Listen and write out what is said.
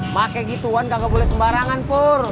kake gituan kagak boleh sembarangan pur